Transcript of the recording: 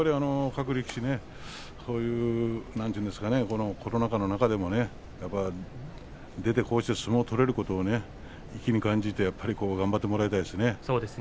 各力士、コロナ禍の中でも出てこうして相撲が取れることにね意気に感じて頑張っていただきたいですね。